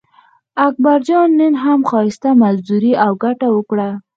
اکبرجان نن هم ښایسته مزدوري او ګټه وکړه.